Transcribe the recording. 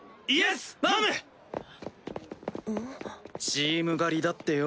チーム狩りだってよ。